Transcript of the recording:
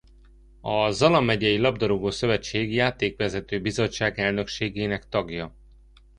A Zala Megyei Labdarúgó-szövetség Játékvezető Bizottság elnökségének tagja.